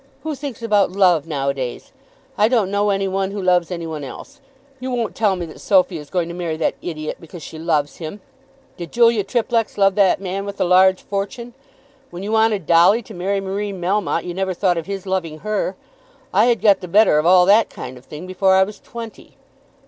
Who thinks about love nowadays? I don't know any one who loves any one else. You won't tell me that Sophy is going to marry that idiot because she loves him! Did Julia Triplex love that man with the large fortune? When you wanted Dolly to marry Marie Melmotte you never thought of his loving her. I had got the better of all that kind of thing before I was twenty."